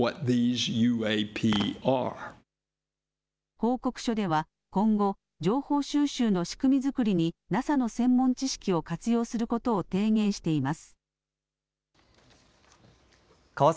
報告書では今後、情報収集の仕組み作りにＮＡＳＡの専門知識を活用することを提言しています。